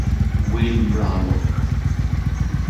Will Blalock